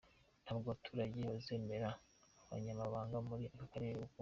Ntabwo abaturage bazemera abanyamahanga muri aka karere ukundi.